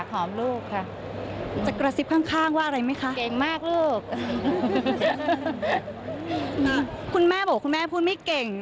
คุณแม่บอกคุณแม่พูดไม่เก่ง